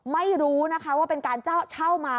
ไม่รู้นะคะว่าเป็นการเช่ามา